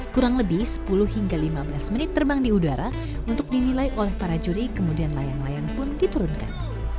kurang lebih sepuluh hingga lima belas menit terbang di udara untuk dinilai oleh para juri kemudian layang layang pun diturunkan